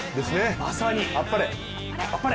まさにあっぱれ！